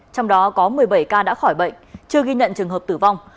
trong đó có một mươi bảy ca đã khỏi bệnh chưa ghi nhận trường hợp tử vong